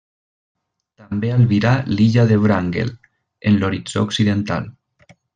També albirà l'illa de Wrangel, en l'horitzó occidental.